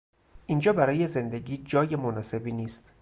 اینجا برای زندگی جای مناسبی نیست.